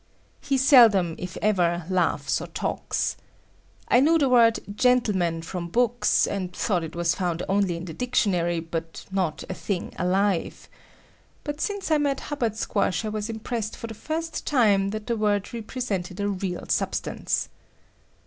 He seldom, if ever, laughs or talks. I knew the word "gentleman" from books, and thought it was found only in the dictionary, but not a thing alive. But since I met Hubbard Squash, I was impressed for the first time that the word represented a real substance.